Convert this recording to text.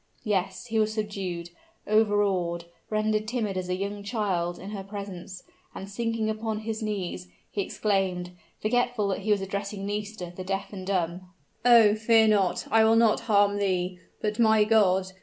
Yes! he was subdued overawed rendered timid as a young child in her presence; and sinking upon his knees, he exclaimed forgetful that he was addressing Nisida the deaf and dumb "Oh! fear not I will not harm thee! But, my God!